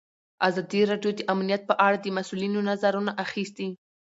ازادي راډیو د امنیت په اړه د مسؤلینو نظرونه اخیستي.